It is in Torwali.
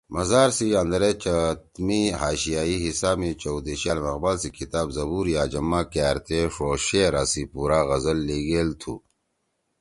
مزار سی اندرے چت می حاشیائی حِصہ می چؤ دیِشے علامہ اقبال سی کِتاب ”زبورِ عجم“ ما کأرتے ݜو شعرا سی پُورا غزل لیِگیل تُھو